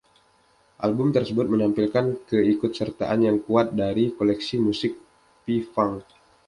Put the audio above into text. Album tersebut menampilkan keikutsertaan yang kuat dari koleksi musik P-Funk.